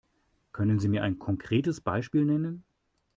Können Sie ein konkretes Beispiel nennen?